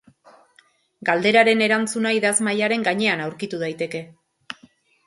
Galderaren erantzuna idazmahaiaren gainean aurkitu daiteke.